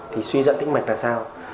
thì suy dãn tĩnh mạch là sao